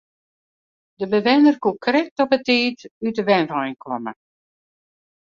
De bewenner koe krekt op 'e tiid út de wenwein komme.